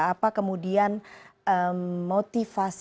apa kemudian motivasi